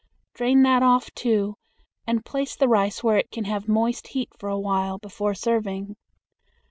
Drain that off, too, and place the rice where it can have moist heat for a while before serving.